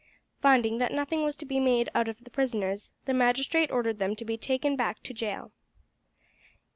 Finding that nothing was to be made out of the prisoners, the magistrate ordered them to be taken back to jail.